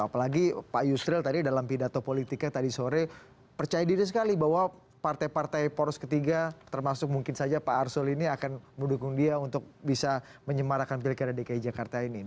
apalagi pak yusril tadi dalam pidato politiknya tadi sore percaya diri sekali bahwa partai partai poros ketiga termasuk mungkin saja pak arsul ini akan mendukung dia untuk bisa menyemarakan pilkada dki jakarta ini